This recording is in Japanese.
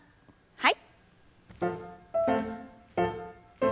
はい。